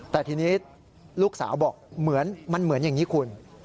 แต่ทีนี้ลูกสาวบอกเหมือนมันเหมือนอย่างนี้คุณ